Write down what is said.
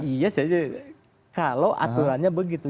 iya kalau aturannya begitu